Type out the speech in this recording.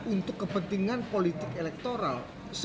untuk kepentingan politik elektoral